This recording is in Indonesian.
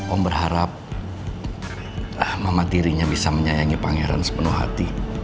om berharap mama dirinya bisa menyayangi pangeran sepenuh hati